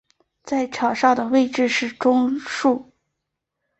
在场上的位置是中坚。